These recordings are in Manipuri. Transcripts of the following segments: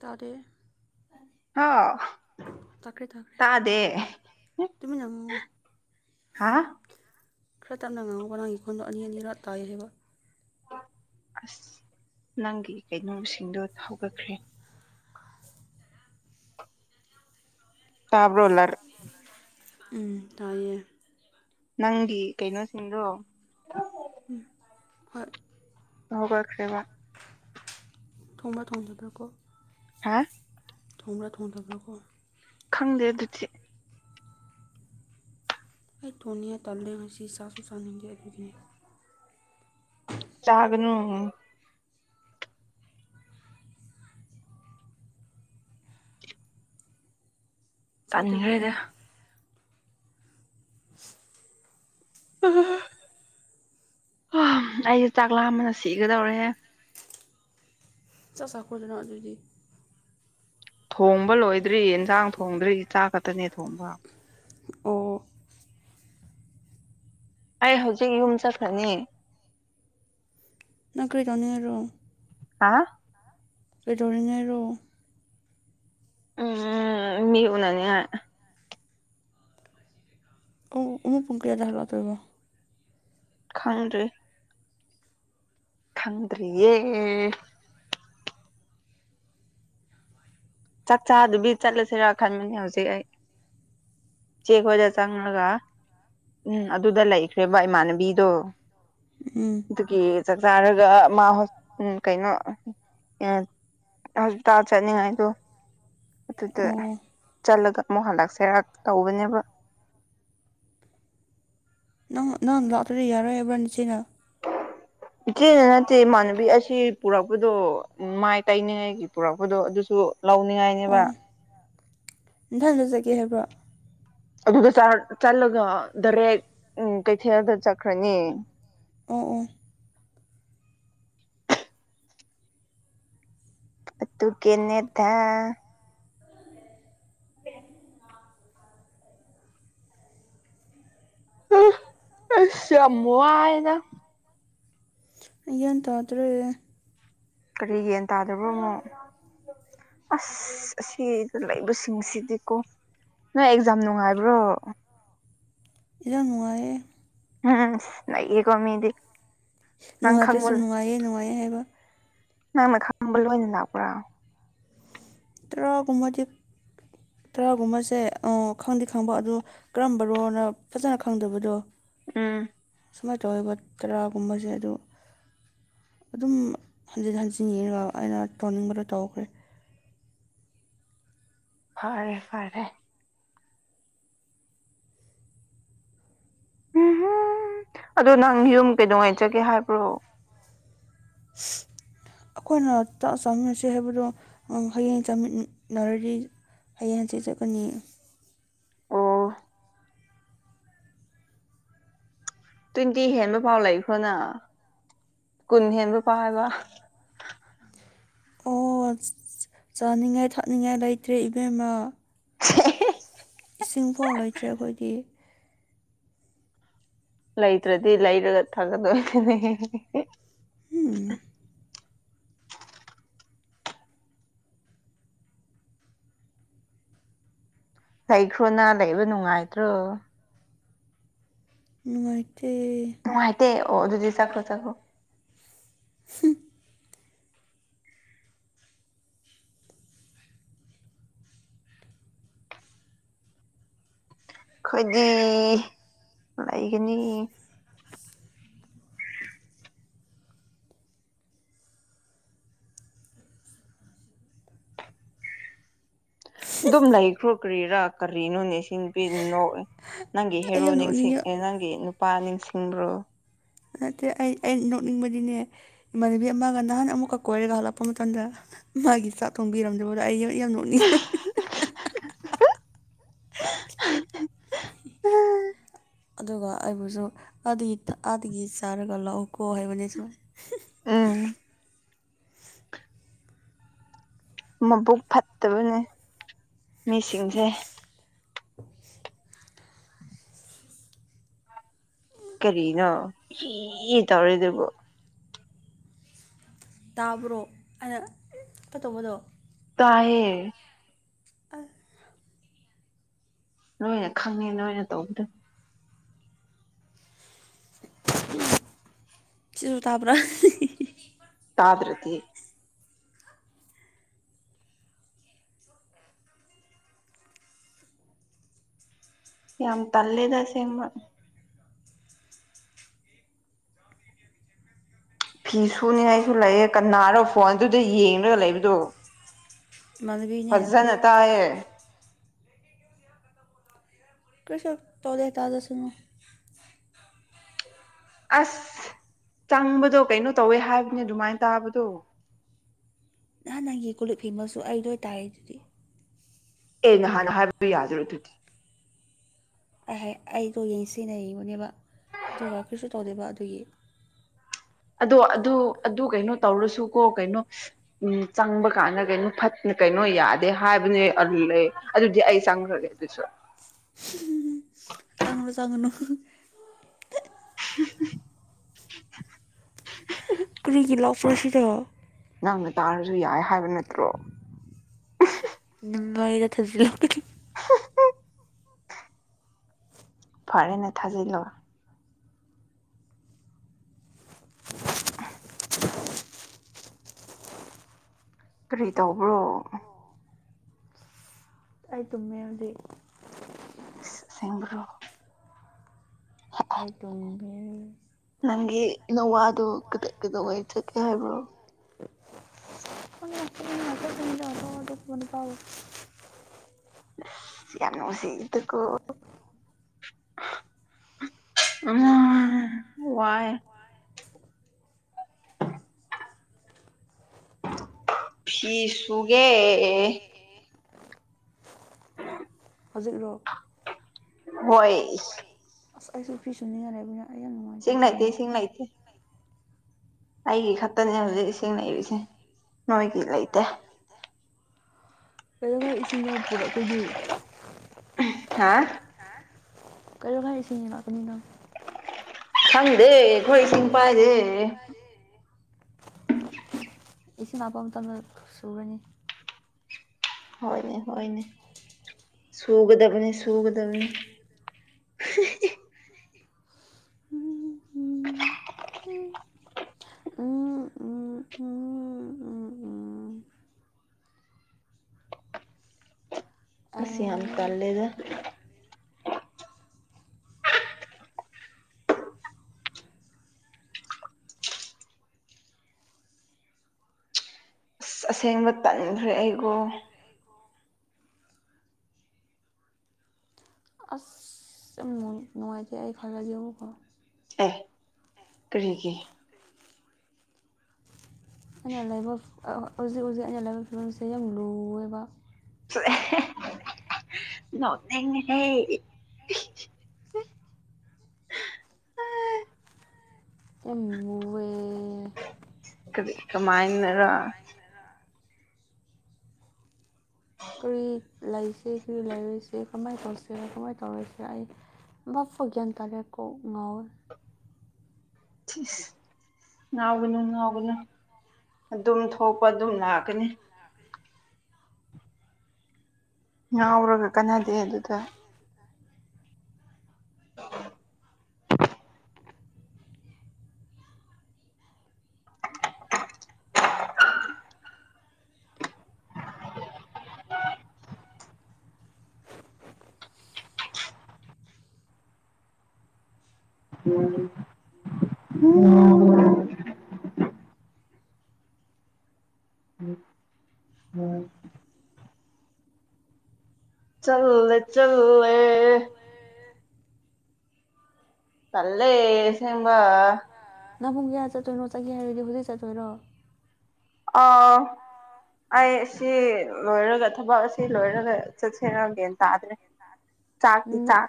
ꯇꯥꯗꯦꯍꯦ꯫ ꯍꯥꯎ ꯇꯥꯗꯦ꯫ ꯇꯨꯃꯤ ꯅꯃꯨꯡꯉꯑꯣꯣ ꯍꯥꯥ ꯈꯔ ꯇꯞꯅ ꯉꯥꯡꯉꯣꯕꯥ ꯅꯪꯒꯤ ꯈꯣꯟꯗꯣ ꯑꯅꯤ ꯑꯅꯤꯔꯛ ꯇꯥꯏ ꯍꯥꯏꯕ꯫ ꯑꯁ ꯅꯪꯒꯤ ꯀꯩꯅꯣꯁꯤꯡꯗꯣ ꯊꯧꯒꯠꯈ꯭ꯔꯦ꯫ ꯇꯥꯕ꯭ꯔꯣꯂꯔ꯫ ꯎꯝ ꯇꯌꯦ ꯅꯪꯗꯤ ꯀꯩꯅꯣꯁꯤꯡꯗꯣ ꯎꯝ ꯍ ꯍꯒ ꯁꯦꯕ ꯊꯣꯡꯕ ꯊꯣꯡꯖꯗ꯭ꯔꯥ ꯀꯣ ꯍꯥꯥ ꯊꯣꯡꯕ꯭ꯔꯥ ꯊꯣꯡꯗꯕ꯭ꯔꯥ ꯀꯣ꯫ ꯈꯪꯗꯦ ꯑꯗꯨꯗꯤ꯫ ꯑꯩ ꯊꯣꯅꯤ ꯇꯂꯦ ꯉꯁꯤ ꯆꯥꯁꯨ ꯁꯥꯥꯟꯅꯅꯤꯡꯗꯦ ꯑꯗꯨꯒꯤ꯫ ꯆꯥꯒꯅꯨ ꯆꯥꯗ꯭ꯔꯗꯤ ꯇꯟꯈ꯭ꯔꯦꯗ ꯑꯩ꯫ ꯑꯩꯁꯦ ꯆꯥꯛꯂꯥ ꯑꯃꯅ ꯁꯤꯒꯗꯧꯔꯦ ꯆꯥꯛ ꯆꯥꯈ꯭ꯔꯣꯗꯅ ꯑꯗꯨꯗꯤ ꯊꯣꯡꯕ ꯂꯣꯏꯗ꯭ꯔꯤ ꯏꯟꯖꯥꯡ ꯊꯣꯡꯗ꯭ꯔꯤ ꯆꯥꯛ ꯈꯛꯇꯅꯦ ꯊꯣꯡꯕ ꯑꯣ꯫ ꯑꯩ ꯍꯧꯖꯤꯛ ꯌꯨꯝ ꯆꯠꯈ꯭ꯔꯅꯤ꯫ ꯅꯥꯈ꯭ꯔꯤꯗꯥꯅꯤꯔꯣ ꯍꯥ꯫ ꯀꯩꯗꯧꯔꯤꯉꯩꯔꯣ ꯎꯝ ꯃꯤ ꯎꯅꯅꯤ ꯑꯌꯨꯛ ꯄꯨꯡ ꯀꯌꯥꯗ ꯍꯜꯂꯛꯇꯣꯏꯕ꯫ ꯈꯪꯗ꯭ꯔꯤ꯫ ꯈꯪꯗ꯭ꯔꯤꯌꯦ ꯆꯥꯛꯆꯥꯥꯗꯨꯕꯤ ꯆꯠꯂꯁꯤꯔꯥ ꯈꯟꯕꯅꯤ ꯍꯧꯖꯤꯛ ꯑꯩ ꯆꯦ ꯈꯣꯢꯗ ꯆꯡꯂꯒ ꯎꯝ ꯑꯗꯨꯗ ꯂꯩꯈ꯭ꯔꯦꯕ ꯏꯃꯥꯟꯅꯕꯤꯗꯣ ꯎꯝ ꯑꯗꯨꯒꯤ ꯆꯥꯛ ꯆꯥꯔꯒ ꯃꯥ ꯀꯩꯅꯣ꯫ [unintelligible] ꯆꯠꯅꯤꯡꯉꯥꯏꯗꯨ ꯑꯗꯨꯗ ꯑꯣ ꯆꯠꯂꯒ ꯑꯃꯨꯛ ꯍꯜꯂꯛꯁꯦꯔꯥꯛ ꯇꯧꯕꯅꯦꯕ ꯑꯥ ꯅꯪ ꯂꯥꯛꯇꯔꯔꯤ ꯌꯥꯔꯣꯏ ꯌꯥꯕꯔꯅꯤꯁꯤꯅ ꯏꯆꯦꯅ ꯅꯠꯇꯦ ꯏꯃꯥꯟꯅꯕꯤ ꯑꯁꯤ ꯄꯨꯔꯛꯄꯗꯣ ꯎꯝ ꯃꯥꯏ ꯇꯩꯅꯤꯡꯉꯥꯏꯒꯤ ꯄꯨꯔꯛꯄꯗꯣ ꯑꯗꯨꯁꯨ ꯂꯧꯅꯤꯡꯉꯥꯏꯅꯦꯕ꯫ ꯏꯊꯪꯅꯖꯒꯦ ꯍꯥꯏꯕ꯭ꯔꯣ ꯑꯗꯨꯒ ꯆꯠꯂꯒ ꯗꯥꯔꯦꯛ ꯎ ꯀꯩꯊꯦꯜꯗ ꯆꯠꯈ꯭ꯔꯅꯤ ꯑꯣ ꯑꯣ꯫ ꯑꯗꯨꯀꯤꯅꯦꯇ [unintelligible] ꯑꯁ ꯌꯥꯝ ꯋꯥꯢꯌꯦꯗ꯫ ꯌꯦꯟ ꯇꯗ꯭ꯔꯦ ꯀꯔꯤ ꯌꯦꯟ ꯇꯥꯗꯕ꯭ꯔꯣ ꯑꯃꯣ ꯑꯁ ꯑꯁꯤꯗ ꯂꯩꯕꯁꯤꯡꯁꯤꯗꯤꯀꯣ ꯅꯣꯏ ꯑꯦꯛꯖꯥꯝ ꯅꯨꯡꯉꯥꯏꯕ꯭ꯔꯣ꯫ ꯏꯣ ꯔꯦ ꯎꯝ ꯅꯩꯌꯦꯀꯣ ꯃꯤꯗꯤ꯫ ꯅꯪ ꯈꯪꯕ ꯅꯨꯡꯉꯥꯏꯇ꯭ꯔꯁꯨ ꯅꯨꯡꯉꯥꯏꯌꯦ ꯅꯨꯡꯉꯥꯏꯌꯦ ꯍꯥꯏꯕ ꯅꯪꯅ ꯈꯡꯕ ꯂꯣꯏꯅ ꯂꯥꯛꯄ꯭ꯔꯥ꯫ ꯇꯔꯥꯒꯨꯝꯕꯗꯤ ꯇꯔꯥꯒꯨꯝꯕꯁꯦ ꯈꯪꯗꯤ ꯈꯪꯕ ꯑꯗꯨ ꯀꯔꯝꯕꯅꯣꯅ ꯐꯖꯅ ꯈꯪꯗꯕꯗꯣ ꯎꯝ ꯁꯨꯃꯥꯏꯅ ꯇꯧꯔꯕ ꯇꯔꯥꯒꯨꯝꯕꯁꯦ ꯑꯗꯨ ꯑꯗꯨꯝ ꯍꯟꯖꯤꯟ ꯍꯟꯖꯤꯟ ꯌꯦꯡꯉꯒ ꯑꯩꯅ ꯇꯧꯅꯤꯡꯕꯗꯣ ꯇꯧꯈ꯭ꯔꯦ꯫ ꯐꯔꯦ ꯐꯔꯦ꯫ [unintelligible] ꯑꯗꯣ ꯅꯪ ꯌꯨꯝ ꯀꯩꯗꯅꯨꯡꯉꯩ ꯆꯠꯀꯦ ꯍꯥꯏꯕ꯭ꯔꯣ ꯑꯩꯈꯣꯏꯅ ꯆꯥꯛ ꯆꯥꯃꯤꯟꯅꯁꯦ ꯍꯥꯏꯕꯗꯣ ꯍꯌꯦꯡ ꯆꯥꯃꯤꯟꯅꯔꯗꯤ ꯍꯌꯦꯡꯍꯪꯆꯤꯠ ꯆꯠꯀꯅꯤ ꯑꯣ ꯇ꯭ꯋꯦꯟꯇꯤ ꯍꯦꯟꯕ ꯄꯥꯎ ꯂꯩꯈ꯭ꯔꯣꯅ ꯀꯨꯟ ꯍꯦꯟꯕ ꯄꯥꯎ ꯍꯥꯏꯕ ꯑꯣ ꯆꯥꯅꯤꯡꯉꯥꯏ ꯊꯛꯅꯤꯡꯉꯥꯏ ꯂꯩꯇ꯭ꯔꯦ ꯏꯕꯦꯝꯃ ꯏꯁꯤꯡ ꯐꯥꯎ ꯂꯩꯇ꯭ꯔꯦ ꯑꯩꯈꯣꯏꯗꯤ ꯂꯩꯇ꯭ꯔꯗꯤ ꯂꯩꯔꯒ ꯊꯥꯒꯛꯗꯕꯅꯤꯅꯦ ꯎꯝ꯫ ꯂꯩꯈ꯭ꯔꯣꯅ ꯂꯩꯕ ꯅꯨꯡꯉꯥꯏꯇ꯭ꯔꯣ ꯅꯨꯡꯉꯥꯏꯇꯦ꯫ ꯅꯨꯡꯉꯥꯏꯇꯦ ꯑꯣ ꯑꯗꯨꯗꯤ ꯆꯥꯛꯇꯣ ꯆꯥꯈ꯭ꯔꯣ꯫ [unintelligible] ꯑꯩꯈꯣꯏꯗꯤ ꯂꯩꯒꯅꯤ ꯑꯗꯨꯝ ꯂꯩꯈ꯭ꯔꯣ ꯀ꯭ꯔꯤꯔꯥ ꯀꯔꯤꯅꯣꯅꯦ ꯑꯁꯤ ꯅꯨꯄꯤꯖꯦ ꯅꫭꯛ ꯑꯦ ꯅꯪꯒꯤ ꯑꯩ ꯍꯦꯔꯣ ꯌꯥꯝ ꯅꯤꯡꯁꯤꯡ ꯅꯣꯛꯅꯤꯡꯉꯦ ꯅꯪꯒꯤ ꯅꯨꯄꯥ ꯅꯤꯡꯁꯤꯡꯕ꯭ꯔꯣ꯫ ꯅꯠꯇꯦ ꯑꯩ ꯑꯩ ꯅꯣꯛꯅꯤꯡꯕꯗꯤꯅꯦ ꯏꯃꯥꯟꯅꯕꯤ ꯑꯃꯒ ꯅꯍꯥꯟ ꯑꯃꯨꯛꯀ ꯀꯣꯏꯔꯒ ꯍꯜꯂꯛꯄ ꯃꯇꯝꯗ ꯃꯥꯒꯤ ꯆꯥꯛ ꯊꯣꯡꯕꯤꯔꯝꯗꯕꯗꯣ ꯑꯩꯒꯤ ꯌꯥꯝ ꯅꯣꯛꯅꯤꯡꯉꯦ꯫ [unintelligible] ꯑꯗꯨꯒ ꯑꯩꯕꯨꯁꯨ ꯑꯗꯒꯤ ꯅꯨꯡꯇꯤꯒꯤ ꯆꯥꯔꯒ ꯂꯥꯛꯑꯣꯀꯣ ꯍꯥꯏꯕꯥꯅꯦ ꯁꯨꯃꯥꯏꯅ ꯎꯝ ꯃꯥꯕꯨꯛ ꯐꯠꯇꯥꯕꯅꯦ ꯃꯤ ꯁꯤꯡꯁꯦ ꯀꯔꯤꯅꯣ ꯐꯤ ꯇꯧꯔꯦꯗꯨꯕꯨ꯫ ꯇꯥꯕ꯭ꯔꯣ ꯑꯩꯅ ꯀꯩꯇꯧꯕꯥꯗꯣ ꯇꯥꯏꯌꯦ [unintelligible] ꯂꯣꯏꯅ ꯈꯪꯉꯦ ꯅꯣꯏꯅ ꯇꯧꯕꯥꯗꯣ ꯁꯤꯖꯨ ꯇꯥꯕ꯭ꯔꯥ ꯇꯥꯗ꯭ꯔꯗꯤ ꯌꯥꯝ ꯇꯜꯂꯦꯗꯥ ꯑꯥꯁꯦꯡꯕ ꯐꯤ ꯁꯨꯅꯤꯉꯥꯏꯁꯨ ꯂꯩꯌꯦ ꯀꯅꯔ ꯐꯣꯟ ꯑꯗꯨꯗ ꯌꯦꯡꯂꯒ ꯂꯩꯕꯗꯣ꯫ ꯏꯃꯥꯟꯅꯕꯤꯅꯦ ꯐꯖꯅ ꯑꯇꯥꯌꯦ ꯀꯔꯤꯁꯨ ꯇꯧꯗꯦ ꯇꯥꯖꯁꯅꯨ꯫ ꯑꯁ ꯆꯪꯕꯥꯗꯣ ꯀꯩꯅꯣ ꯇꯧꯋꯦ ꯍꯥꯏꯕꯅꯦ ꯑꯗꯨꯃꯥꯏꯅ ꯇꯥꯕꯗꯣ ꯅꯍꯥꯟ ꯅꯪꯒꯤ ꯀꯣꯜꯂꯤꯛ ꯐꯦꯡꯕꯥꯁꯨ ꯑꯩ ꯂꯣꯏ ꯇꯥꯏꯌꯦ ꯑꯗꯨꯗꯤ ꯑꯦ ꯅꯍꯥꯟ ꯍꯥꯏꯕꯗꯣ ꯌꯥꯗ꯭ꯔꫭ ꯑꯗꯨꯗꯤ ꯑꯍ ꯑꯩꯗꯣ ꯌꯦꯡ ꯁꯤꯟꯅꯕꯅꯦꯕ ꯑꯗꯨꯒ ꯀꯔꯤꯁꯨ ꯇꯧꯗꯦꯕ ꯑꯗꯨꯒꯤ ꯑꯗꯣ ꯑꯗꯨ ꯑꯗꯨ ꯀꯩꯅꯣ ꯇꯧꯔꯥꯁꯨ ꯀꯣ ꯀꯩꯅꯣ ꯎꯝ ꯆꯪꯕ ꯀꯥꯟꯗ ꯀꯩꯅꯣ ꯐꯠꯇꯦ ꯀꯩꯅꯣ ꯌꯥꯗꯦ ꯍꯥꯏꯕꯅꯦ ꯇꯜꯂꯦ ꯑꯗꯨꯗꯤ ꯑꯩ ꯆꯪꯈ꯭ꯔꯒꯦ ꯑꯗꯨꯁꯨ꯫ ꯆꯪꯉꯥꯅꯨ ꯆꯪꯉꯥꯅꯨ꯫ [unintelligible] ꯀ꯭ꯔꯤꯒꯤ ꯂꯥꯛꯄ꯭ꯔꯣ ꯁꯤꯗ꯫ ꯅꯪꯅ ꯇꯥꯔꯁꯨ ꯌꯥꯏ ꯍꯥꯏꯕ ꯅꯠꯇ꯭ꯔꯣ꯫ ꯅꯪꯂꯥꯏꯗ ꯊꯖꯤꯜꯂꯛꯀꯅꯤ꯫ [unintelligible] ꯐꯔꯦꯅꯦ ꯊꯥꯖꯤꯜꯂꯣ꯫ ꯀꯔꯤ ꯇꯧꯕ꯭ꯔꯣ꯫ ꯑꯩ ꯇꯨꯝꯃꯦ ꯍꯧꯖꯤꯛ꯫ ꯏꯁ ꯑꯁꯦꯡꯕꯥꯔꯣ꯫ ꯑꯩ ꯇꯨꯝ꯫ ꯃꯦ꯫ ꯅꯪꯒꯤ ꯅꯋꯥꯗꯣ ꯀꯗ ꯀꯩꯗꯧꯉꯩ ꯆꯠꯀꯦ ꯍꯥꯏꯕ꯭ꯔꯣ꯫ [unintelligible] ꯌꯥꯝ ꯅꯨꯡꯁꯤꯗꯥꯀꯣ꯫ ꯑꯪ ꯋꯥꯏꯌꯦ꯫ [unintelligible] ꯐꯤ ꯁꯨꯒꯦ꯫ ꯍꯧꯖꯤꯛ ꯂꯣ꯫ ꯍꯣꯏ꯫ ꯑꯁ ꯑꯩꯁꯨ ꯐꯤꯁꯨ ꯅꯤꯡꯉꯥꯏ ꯂꯩꯕꯅꯤ ꯑꯩ ꯌꯥꯝ ꯏꯁꯤꯡ ꯅꯨꯡꯉꯥꯏꯇꯦ ꯂꯩꯇꯦ ꯏꯁꯤꯡ ꯂꯩꯇꯦ [unintelligible] ꯑꯩꯒꯤ ꯈꯛꯇꯅꯦ ꯍꯧꯖꯤꯛ ꯏꯁꯤꯡ ꯂꯩꯔꯤꯁꯦ ꯅꯣꯏꯒꯤ ꯂꯩꯇꯦ꯫ ꯀꯩꯗꯧꯉꯥꯏ ꯏꯁꯤꯡꯅꯣ ꯄꯨꯔꯛꯏꯗꯤ꯫ ꯍꯥ꯫ [unintelligible] ꯈꯪꯗꯦ ꯑꯈꯣꯏ ꯏꯁꯤꯡ ꯄꯥꯏꯗꯦ꯫ ꯏꯁꯤꯡ ꯂꯞꯄ ꯃꯇꯝꯗ ꯁꯨꯔꯅꯤ꯫ ꯍꯣꯏꯅꯦ ꯍꯣꯏꯅꯦ꯫ ꯁꯨꯒꯥꯗꯕꯅꯦ ꯁꯨꯒꯥꯗꯕꯅꯦ꯫ ꯑꯁ ꯌꯥꯝ ꯇꯜꯂꯦꯗꯥ꯫ ꯑꯁ ꯑꯁꯦꯡꯕ ꯇꯟꯈ꯭ꯔꯦ ꯑꯩꯀꯣ꯫ ꯑꯁ꯫ ꯇꯨꯝꯃꯨꯒꯦ꯫ ꯅꯨꯡꯉꯥꯏꯇꯦ ꯑꯩ ꯈꯜꯂꯗꯤ ꯑꯃꯨꯛꯀ꯫ ꯀ꯭ꯔꯤꯒꯤ꯫ ꯑꯩꯅ ꯂꯩꯥꯏꯕ ꯍꯧꯖꯤꯛ ꯍꯧꯖꯤꯛ ꯑꯩꯅ ꯂꯥꯏꯕ ꯐꯤꯕꯝꯁꯦ ꯌꯥꯝ ꯂꯨꯋꯦꯕ꯫ ꯆꯥꯔꯍꯦ ꯅꯣꯛꯅꯤꯡꯉꯤꯍꯦ꯫ ꯎꯝ ꯋꯨꯌꯦ꯫ ꯗꯤ ꯀꯃꯥꯏꯅꯔ꯫ ꯀ꯭ꯔꯤ ꯂꯩꯔꯤꯁꯦ ꯀꯥꯔꯤ ꯂꯩꯔꯤꯁꯦ ꯀꯃꯥꯏꯅ ꯇꯧꯁꯤꯔꯥ ꯀꯃꯥꯏꯅ ꯇꯧꯔꯣꯏꯁꯤꯔꯥ ꯑꯩ꯫ ꯑꯃꯐꯥꯎ ꯒ꯭ꯌꯥꯟ ꯇꯥꯗꯦ ꯀꯣꯛ ꯉꯥꯎꯋꯦ꯫ ꯁꯤꯁ ꯉꯥꯎꯕꯅꯦ ꯉꯥꯎꯕꯅꯦ꯫ ꯑꯗꯨꯝ ꯊꯣꯛꯄ ꯑꯗꯨꯝ ꯂꯥꯛꯀꯅꯤ꯫ ꯉꯥꯎꯔꯒ ꯀꯥꯟꯅꯗꯦ ꯑꯗꯨꯗ꯫ [inaudible] ꯎꯝ [unintelligible] ꯆꯠꯂꯨꯂꯦ ꯆꯠꯂꯨꯂꯦ꯫ ꯇꯜꯂꯦ ꯑꯁꯦꯡꯕ꯫ ꯅꯪ ꯄꯨꯡ ꯀꯌꯥ ꯆꯠꯇꯣꯏꯅꯣ ꯆꯠꯒꯦ ꯍꯥꯏꯔꯗꯤ ꯍꯧꯖꯤꯛ ꯆꯠꯇꯣꯏꯔꯣ꯫ ꯑꯥ꯫ ꯑꯩ ꯁꯤ ꯂꯣꯏꯔꯒ ꯊꯕꯛ ꯑꯁꯤ ꯂꯣꯏꯔꯒ ꯆꯠꯁꯤꯔ ꯒ꯭ꯌꯥꯟ ꯇꯥꯗ꯭ꯔꯦ ꯆꯥꯛ ꯇꯤ ꯅꯪ ꯆꯥꯛ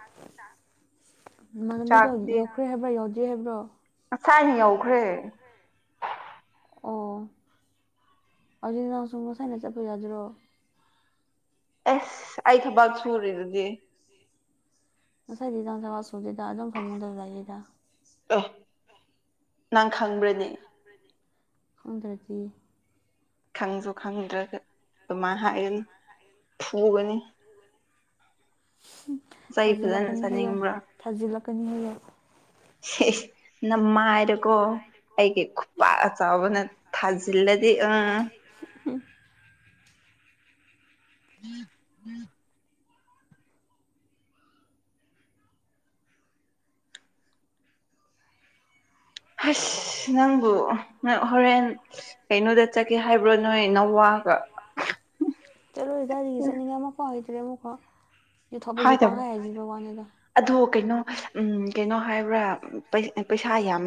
ꯅꯃꯥꯟꯅꯕꯤꯗꯣ ꯆꯥꯛꯇꯤ ꯌꯧꯈ꯭ꯔꯦ ꯍꯥꯏꯕ꯭ꯔꯣ ꯌꯧꯗ꯭ꯔꯤ ꯍꯥꯏꯕ꯭ꯔꯣ ꯉꯁꯥꯏꯅ ꯌꯧꯈ꯭ꯔꯦ ꯑꯣ ꯑꯗꯨꯗꯤ ꯅꯪꯁꯨ ꯉꯁꯥꯏꯅ ꯆꯠꯄ ꯌꯥꯗ꯭ꯔꯣ ꯑꯦꯁ ꯑꯩ ꯊꯕꯛ ꯁꯨꯨꯔꯤꯗꯨꯗꯤ ꯉꯁꯥꯏ [unintelligible] ꯑꯗꯨꯝ ꯐꯃꯨꯡꯗ ꯂꯩꯌꯦꯗ ꯑꯦ ꯅꯪ ꯈꯪꯕ꯭ꯔꯥꯅꯦ ꯈꯪꯗ꯭ꯔꯗꯤ ꯈꯪꯁꯨ ꯈꯪꯗ꯭ꯔꯒ ꯑꯗꯨꯃꯥꯢ ꯍꯥꯏꯒꯅꯨ ꯐꯨꯒꯅꯤ ꯍꯝ ꯆꯩ ꯐꯖꯅ ꯊꯥꯖꯤꯜꯂꯛꯀꯅꯤ ꯍꯥꯏꯌꯣ ꯆꯥꯅꯤꯡꯕ꯭ꯔꯥ ꯊꯥꯖꯤꯜꯂꯛꯀꯥꯅꯤ ꯍꯥꯏꯌꯣ ꯍꯦ ꯅꯃꯥꯏꯗꯨꯀꯣ ꯑꯩꯒꯤ ꯈꯨꯄꯥꯛ ꯑꯆꯧꯕꯥꯅ ꯊꯥꯖꯤꯟ ꯂꯥꯗꯤ ꯑꯥ ꯍꯨꯝ [unintelligible] [inaudible] ꯍꯁ ꯅꯪꯕꯨ ꯅꯪ ꯍꯣꯔꯦꯟ ꯀꯩꯅꯣꯗ ꯆꯠꯀꯦ ꯍꯥꯏꯕ꯭ꯔꯣ ꯅꯣꯏ ꯅꯋꯥꯒ ꯆꯠꯂꯣꯢ ꯀꯥꯢꯗꯒꯤ ꯆꯠꯅꯤꯡꯉꯥꯏ ꯑꯃꯨꯛꯐꯥꯎ ꯂꯩꯇ꯭ꯔꯦ ꯑꯃꯐꯥꯎ ꯌꯨ ꯊꯛꯄꯒꯤ ꯍꯥꯏꯗꯕ ꯄꯡꯍꯥꯏ ꯍꯥꯏꯖꯤꯟꯕꯒꯤ ꯋꯥꯅꯤꯗꯥ꯫ ꯑꯗꯣ ꯀꯩꯅꯣ ꯀꯩꯅꯣ ꯍꯥꯏꯕ꯭ꯔꯥ ꯄꯩꯁꯥ ꯌꯥꯝ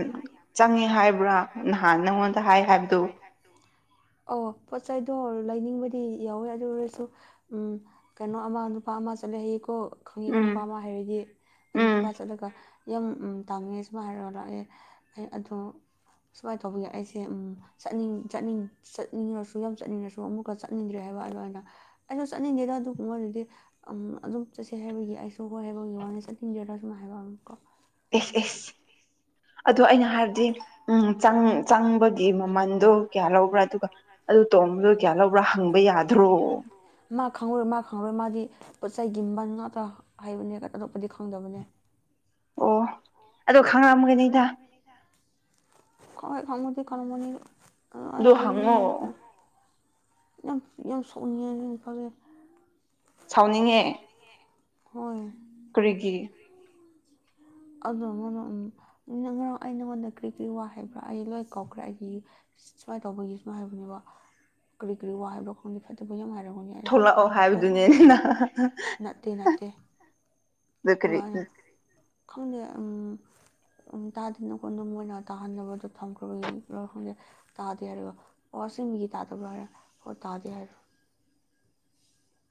ꯆꯪꯉꯦ ꯍꯥꯏꯕ꯭ꯔꯥ ꯅꯍꯥꯟ ꯅꯪꯉꯣꯟꯗ ꯍꯥꯏ ꯍꯥꯏꯕꯗꯨ ꯑꯧ ꯄꯣꯠ ꯆꯩꯗꯣ ꯂꯩꯅꯤꯡꯕꯗꯤ ꯌꯥꯎꯋꯦ ꯑꯗꯨ ꯑꯣꯏꯔꯁꯨ ꯎꯝ ꯀꯩꯅꯣ ꯑꯃ ꯅꯨꯄꯥ ꯑꯃꯥ ꯆꯠꯂꯦ ꯍꯥꯌꯦꯀꯣ ꯈꯪꯉꯤꯀꯣ ꯎꯝ ꯅꯨꯄꯥ ꯑꯃꯥ ꯍꯥꯏꯔꯗꯤ ꯑꯗꯨ ꯎꯝ ꯅꯨꯄꯥ ꯆꯠꯂꯒ ꯌꯥꯝ ꯇꯥꯡꯉꯦ ꯁꯨꯃꯥꯏ ꯍꯥꯏꯔꯛꯑꯣꯔꯥ ꯑꯩ ꯑꯩ ꯑꯗꯣ ꯁꯨꯃꯥꯏ ꯇꯧꯕꯥꯒꯤ ꯑꯩꯁꯦ ꯎꯝ ꯆꯠꯅꯤꯡ ꯆꯠꯅꯤꯡ ꯆꯠꯅꯤꯡꯉꯥꯁꯨ ꯌꯥꯝ ꯆꯠꯅꯤꯡꯉꯥꯁꯨ ꯑꯃꯨꯛꯀꯥ ꯆꯠꯅꯤꯡꯗ꯭ꯔꯦ ꯍꯥꯏꯕ ꯑꯗꯨꯃꯥꯏꯅ ꯑꯩꯁꯨ ꯆꯠꯅꯤꯡꯉꯦꯗ ꯑꯗꯨꯒꯨꯝꯕꯗꯨꯗꯤ ꯑꯪ ꯑꯗꯨꯝ ꯆꯠꯁꯦ ꯍꯥꯏꯕꯒꯤ ꯑꯩꯁꯨ ꯍꯣꯏ ꯍꯥꯏꯕꯒꯤ ꯋꯥꯅꯦ ꯆꯠꯅꯤꯡꯗꯦꯗꯥ ꯁꯨꯝ ꯍꯥꯏꯕꯀꯣ ꯑꯦꯁ ꯑꯦꯁ ꯑꯗꯣ ꯑꯩꯅ ꯍꯥꯏꯕꯗꯤ ꯎꯝ ꯆꯪ ꯆꯪꯕ ꯍꯥꯏꯗꯤ ꯃꯃꯟꯗꯣ ꯀꯌꯥ ꯂꯧꯕ꯭ꯔꯥ ꯑꯗꯨꯒ ꯑꯗꯨ ꯇꯣꯡꯕꯗꯨ ꯀꯌꯥ ꯂꯧꯕ꯭ꯔꯥ ꯍꯪꯕ ꯌꯥꯗ꯭ꯔꯣ ꯃꯥ ꯈꯪꯉꯔꯣꯏ ꯃꯥ ꯈꯪꯉꯔꯣꯏ ꯃꯥꯗꯤ ꯄꯣꯠ ꯆꯩꯒꯤ ꯃꯃꯟ ꯉꯥꯛꯇ ꯍꯥꯏꯕꯅꯦ ꯑꯇꯣꯞꯄꯗꯤ ꯈꯪꯗꯕꯅꯦ ꯑꯣ ꯑꯗꯣ ꯈꯪꯉꯝꯒꯅꯤꯗ ꯈꯪꯉꯣꯏ ꯈꯪꯕꯨꯗꯤ ꯈꯉꯝꯒꯅꯤꯕ ꯑꯗꯨ ꯍꯪꯉꯣ ꯌꯥꯝ ꯌꯥꯝ ꯁꯥꯎꯅꯤꯡꯉꯦ ꯑꯗꯨꯏ ꯅꯨꯄꯥꯗꯣ ꯁꯥꯎꯅꯤꯡꯉꯦ ꯁꯥꯎꯅꯤꯡꯉꯦ ꯍꯣꯏ ꯀꯔꯤꯒꯤ ꯑꯗꯣ ꯉꯔꯥꯡ ꯎꯡ ꯅꯪ ꯉꯔꯥꯡ ꯑꯩ ꯅꯉꯣꯟꯗ ꯀ꯭ꯔꯤ ꯀꯔꯤ ꯋꯥ ꯍꯥꯏꯕ꯭ꯔꯥ ꯑꯩ ꯂꯣꯏ ꯀꯥꯎꯈ꯭ꯔꯦ ꯑꯩꯒꯤ ꯁꯨꯃꯥꯏ ꯇꯧꯕꯒꯤ ꯁꯨꯃꯥꯏ ꯍꯥꯏꯕꯅꯦꯕ ꯀꯔꯤ ꯀꯔꯤ ꯋꯥ ꯍꯥꯏꯕ꯭ꯔꯥ ꯈꯪꯗꯦ ꯐꯠꯇꯕ ꯌꯥꯝ ꯍꯥꯏꯔꯝꯒꯅꯤ ꯑꯩꯁꯦ ꯊꯣꯛꯂꯛꯑꯣ ꯍꯥꯏꯕꯗꯨꯅꯦ ꯅ [unintelligible] ꯅꯠꯇꯦ ꯅꯠꯇꯦ ꯑꯗꯨ ꯀ꯭ꯔꯤ ꯑꯗꯨꯒ ꯑꯩꯅ ꯎꯝ ꯈꯪꯗꯦ ꯎꯝ ꯇꯥꯗꯦꯅꯀꯣ ꯑꯗꯨꯝ ꯃꯣꯏꯅ ꯇꯥꯍꯟꯅꯕꯗꯨ ꯊꯝꯈ꯭ꯔꯕꯒꯤꯔ ꯈꯪꯗꯦ ꯇꯥꯗꯦ ꯍꯥꯌꯔꯒ ꯑꯣꯁꯦꯡꯀꯤ ꯇꯥꯗꯔꯕ꯭ꯔꯣ ꯍꯥꯢꯔꯒ ꯍꯣꯢ ꯇꯥꯗꯦ ꯍꯥꯢ